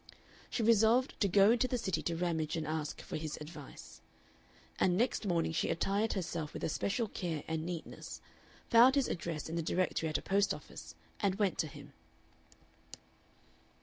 She resolved to go into the City to Ramage and ask for his advice. And next morning she attired herself with especial care and neatness, found his address in the Directory at a post office, and went to him.